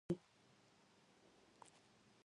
افغانستان کې پسرلی د خلکو د خوښې وړ ځای دی.